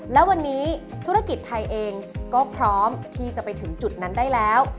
และวันนี้ธุรกิจไทยเองก็พร้อมที่จะไปถึงจุดนั้นได้แล้ว